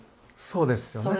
そうですよね。